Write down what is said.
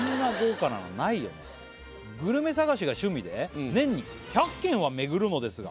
食べたい「グルメ探しが趣味で年に１００軒は巡るのですが」